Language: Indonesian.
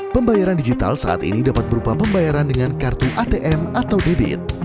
pembayaran digital saat ini dapat berupa pembayaran dengan kartu atm atau bibit